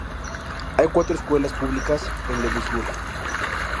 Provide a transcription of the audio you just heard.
Hay cuatro escuelas públicas en Lewisburg.